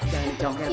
jangan dicokep ya